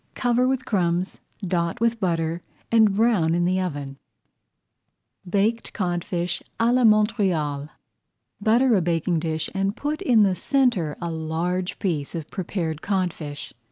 Cover with crumbs, dot with butter, and brown in the oven. [Page 93] BAKED CODFISH À LA MONTREAL Butter a baking dish and put in the centre a large piece of prepared codfish.